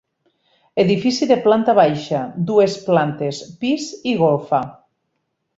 Edifici de planta baixa, dues plantes pis i golfa.